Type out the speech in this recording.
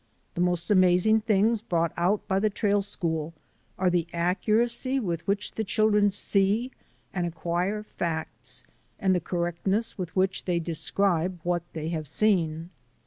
The most amazing things brought out by the Trail School are the accuracy with which the children see and acquire facts and the correctness with which they describe what they have seen.